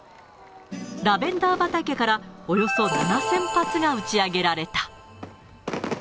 ラベンダー畑からおよそ７０００発が打ち上げられた。